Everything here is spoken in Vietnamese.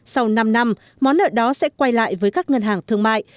sau năm năm món nợ đó sẽ quay lại với các ngân hàng thương mại